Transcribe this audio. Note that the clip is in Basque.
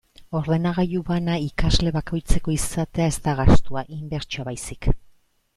Ordenagailu bana ikasle bakoitzeko izatea ez da gastua, inbertsioa baizik.